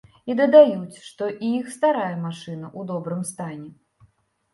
І дадаюць, што і іх старая машына ў добрым стане.